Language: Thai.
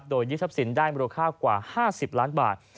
โดยยึดทรัพย์สินได้มูลค่ากว่า๕๐ล้านบาท